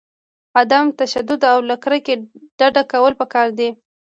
عدم تشدد او له کرکې ډډه کول پکار دي.